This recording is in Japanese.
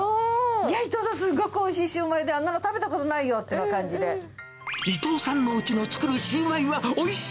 いや、伊藤さん、すっごくおいしいシューマイで、あんなの食べたことないよってな伊藤さんのうちの作るシューマイはおいしい！